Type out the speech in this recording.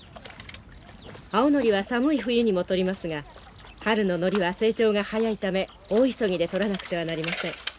青ノリは寒い冬にも採りますが春のノリは成長が早いため大急ぎで採らなくてはなりません。